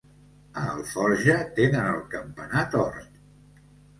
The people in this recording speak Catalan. A Alforja tenen el campanar tort.